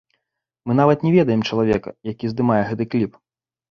Мы нават не ведаем чалавека, які здымае гэты кліп.